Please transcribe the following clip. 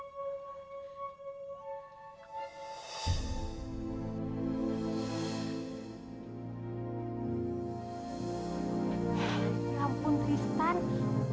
ya ampun tristan